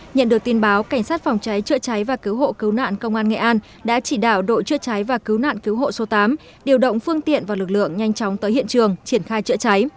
nhận được tin báo cảnh sát phòng cháy chữa cháy và cứu hộ cứu nạn công an nghệ an đã chỉ đạo đội chữa cháy và cứu nạn cứu hộ số tám điều động phương tiện và lực lượng nhanh chóng tới hiện trường triển khai chữa cháy